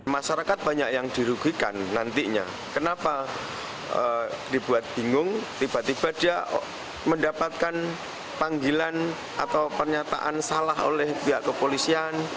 masyarakat banyak yang dirugikan nantinya kenapa dibuat bingung tiba tiba dia mendapatkan panggilan atau pernyataan salah oleh pihak kepolisian